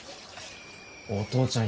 お父ちゃん